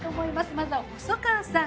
まずは細川さん。